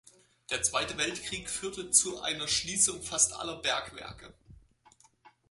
Der Zweite Weltkrieg führte zu einer Schließung fast aller Bergwerke.